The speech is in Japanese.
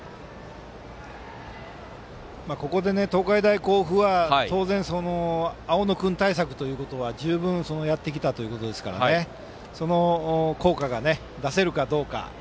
ここで東海大甲府は当然、青野君対策は、十分やってきたということですからその効果が出せるかどうか。